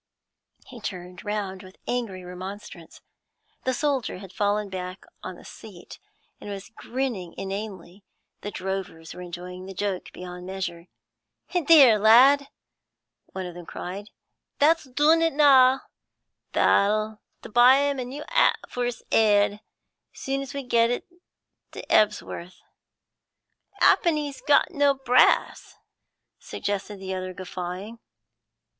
He turned round with angry remonstrance. The soldier had fallen back on to the seat, and was grinning inanely; the drovers were enjoying the joke beyond measure. 'Theer, lad!' one of them cried. 'Tha's doon it nah! Tha'll a' to buy him a new 'at for his 'eead, soon as we get i'to Hebs'orth.' ''Appen he's got no brass,' suggested the other, guffawing.